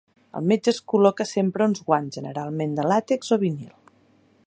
El metge es col·loca sempre uns guants, generalment de làtex o vinil.